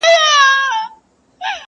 شاعر نه یم زما احساس شاعرانه دی,